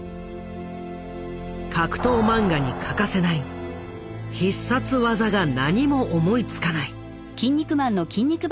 格闘漫画に欠かせない必殺技が何も思いつかない。